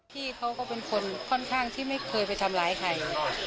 พี่เขาก็เป็นคนค่อนข้างที่ไม่เคยไปทำร้ายใคร